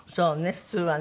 普通はね。